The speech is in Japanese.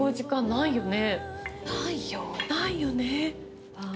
ないよね！